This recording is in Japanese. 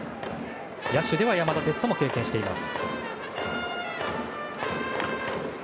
野手では山田哲人も経験しています。